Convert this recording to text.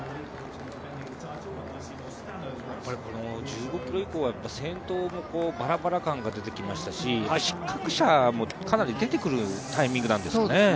やっぱり、１５ｋｍ以降は先頭もバラバラ感が出てきましたし失格者もかなり出てくるタイミングなんですね。